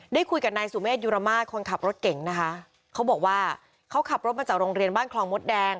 ได้คุยกับนายสุเมฆยุรมาศคนขับรถเก่งนะคะเขาบอกว่าเขาขับรถมาจากโรงเรียนบ้านคลองมดแดง